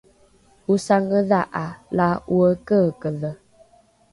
’osangedha’a la ’oekeekedhe